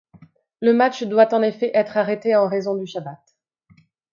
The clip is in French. Le match doit en effet être arrêté en raison du chabbat.